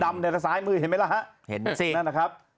ดำในสายมือเห็นไหมฮะเห็นสินั่นนะครับ